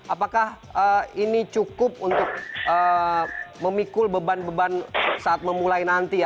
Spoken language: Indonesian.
apakah ini cukup untuk memikul beban beban saat memulai nanti ya